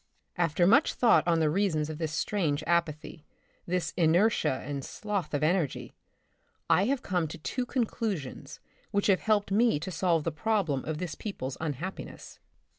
After much thought on the reasons of this strange apathy, this inertia, and sloth of energy, I have come to two conclusions which have helped me to solve the problem of this people's unhappiness.